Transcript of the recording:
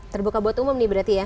terbuka buat umum nih berarti ya